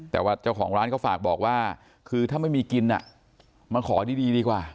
แต่ว่าเจ้าของร้านก็ฝากบอกว่าคือถ้าไม่มีกินมาขอดีดีกว่า